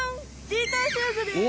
チーターシューズです！